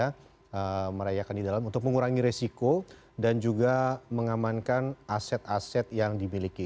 kita merayakan di dalam untuk mengurangi resiko dan juga mengamankan aset aset yang dimiliki